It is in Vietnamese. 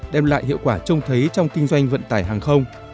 đem lại hiệu quả trông thấy trong kinh doanh vận tải hàng không